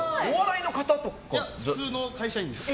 いや、普通の会社員です。